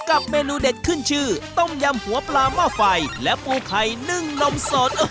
เมนูเด็ดขึ้นชื่อต้มยำหัวปลาหม้อไฟและปูไข่นึ่งนมสด